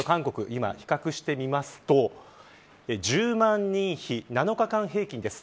今、比較してみますと１０万人比、７日間平均です。